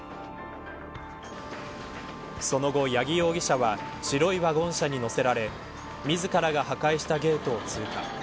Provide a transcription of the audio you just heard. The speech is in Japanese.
その後、八木容疑者は白いワゴン車に乗せられ自らが破壊したゲートを通過。